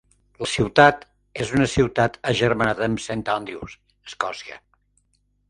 La ciutat és una ciutat agermanada amb Saint Andrews, Escòcia.